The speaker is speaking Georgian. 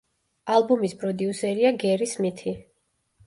ალბომის პროდიუსერია გერი სმითი.